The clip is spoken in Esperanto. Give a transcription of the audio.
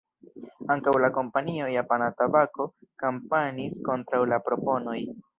Ankaŭ la kompanio Japana Tabako kampanjis kontraŭ la proponoj.